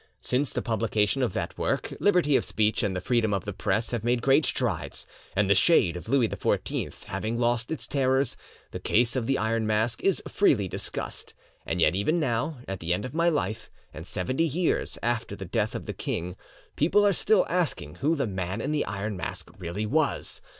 "Since the publication of that work, liberty of speech and the freedom of the press have made great strides, and the shade of Louis XIV having lost its terrors, the case of the Iron Mask is freely discussed, and yet even now, at the end of my life and seventy years after the death of the king, people are still asking who the Man in the Iron Mask really was.